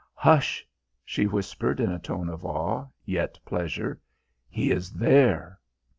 "Hush!" she whispered in a tone of awe, yet pleasure. "He is there!"